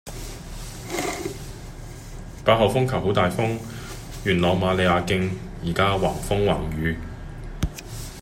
八號風球好大風，元朗瑪利亞徑依家橫風橫雨